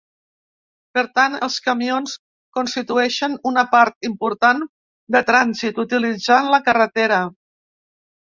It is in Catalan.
Per tant, els camions constitueixen una part important de trànsit utilitzant la carretera.